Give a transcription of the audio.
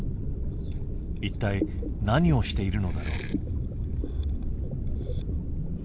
一体何をしているのだろう？